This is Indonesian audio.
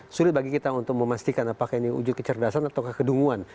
sulit bagi kita untuk memastikan apakah ini wujud kecerdasan atau kedunguan